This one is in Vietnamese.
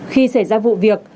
khi xảy ra vụ việc